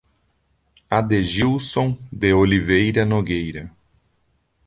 Adegilson de Oliveira Nogueira